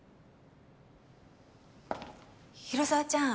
広沢ちゃん。